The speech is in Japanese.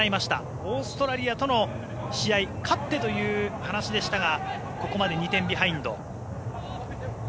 オーストラリアとの試合勝ってという話でしたがここまで２点ビハインド。